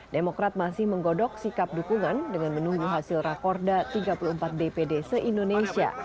demokrat masih menggodok sikap dukungan dengan menunggu hasil rakorda tiga puluh empat dpd se indonesia